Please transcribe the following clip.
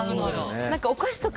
お菓子とか。